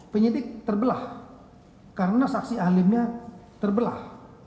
penyidik terbelah karena saksi alimnya terbelah